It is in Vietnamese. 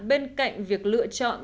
bên cạnh việc lựa chọn